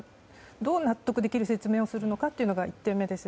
どう納得できる説明をするのかというのが１点目です。